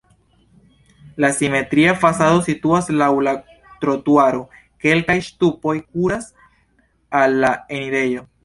La simetria fasado situas laŭ la trotuaro, kelkaj ŝtupoj kuras al la enirejo.